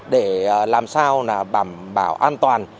để làm sao bảo an toàn